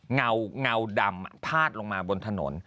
เงาดำพาดลงมาบนถนน